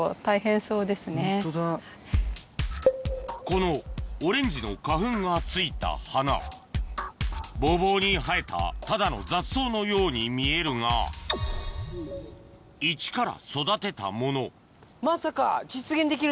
このオレンジの花粉が付いた花ぼうぼうに生えたただの雑草のように見えるがイチから育てたもの